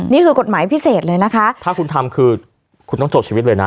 นี่คือกฎหมายพิเศษเลยนะคะถ้าคุณทำคือคุณต้องจบชีวิตเลยนะ